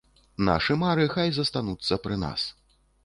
Нашы мары хай застануцца пры нас.